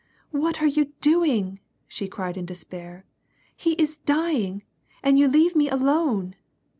" What are you doing ?" she cried in despair, " He is dying, and you leave mo alone."